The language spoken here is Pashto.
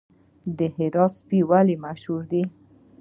د هرات سپي ولې مشهور دي؟